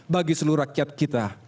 bagi seluruh rakyat kita